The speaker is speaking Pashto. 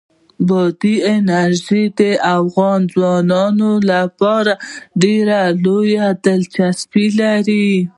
بادي انرژي د افغان ځوانانو لپاره ډېره لویه دلچسپي لري.